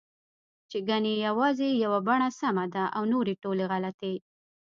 چې ګنې یوازې یوه بڼه سمه ده او نورې ټولې غلطې